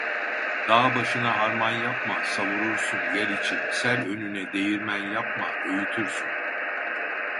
Dağ başına harman yapma, savurursun yel için, sel önüne değirmen yapma, öğütürsün.